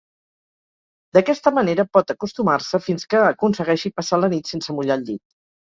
D'aquesta manera pot acostumar-se fins que aconsegueixi passar la nit sense mullar el llit.